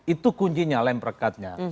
itu kuncinya lem perekatnya